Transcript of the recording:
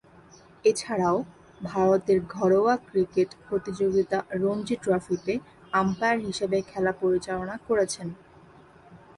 এছাড়াও, ভারতের ঘরোয়া ক্রিকেট প্রতিযোগিতা রঞ্জী ট্রফিতে আম্পায়ার হিসেবে খেলা পরিচালনা করেছেন।